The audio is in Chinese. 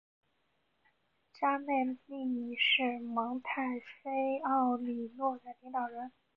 扎纳利尼是蒙泰菲奥里诺的领导人。